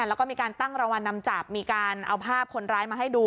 แล้วก็มีการตั้งรางวัลนำจับมีการเอาภาพคนร้ายมาให้ดู